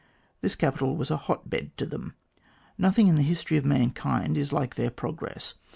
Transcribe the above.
This capital was a hot bed to them. Nothing in the history of mankind is like their progress.